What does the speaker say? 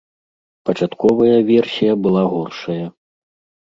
Пачатковая версія была горшая.